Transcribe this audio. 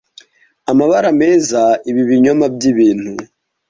amabara meza ibi binyoma byibintu